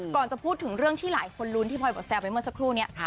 จะพูดถึงเรื่องที่หลายคนลุ้นที่พลอยบอกแซวไปเมื่อสักครู่นี้